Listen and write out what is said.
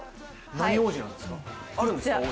何王子なんですか？